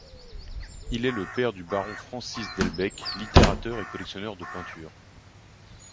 Il est le père du baron Francis Delbeke, littérateur et collectionneur de peinture.